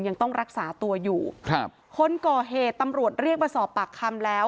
ยังต้องรักษาตัวอยู่ครับคนก่อเหตุตำรวจเรียกมาสอบปากคำแล้ว